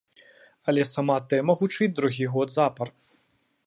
Але сама тэма гучыць другі год запар.